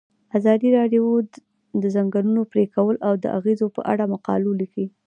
ازادي راډیو د د ځنګلونو پرېکول د اغیزو په اړه مقالو لیکلي.